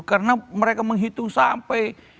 karena mereka menghitung sampai